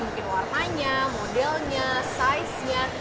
mungkin warnanya modelnya saiznya